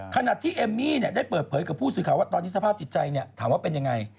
ขณะที่เอมมี่ได้เปิดเผยกับผู้สื่อข่าวว่าตอนนี้สภาพจิตใจถามว่าเป็นยังไง